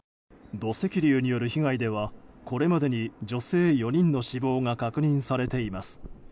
土石流による被害ではこれまでに女性４人の死亡が確認されています。